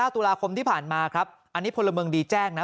ตุลาคมที่ผ่านมาครับอันนี้พลเมืองดีแจ้งนะ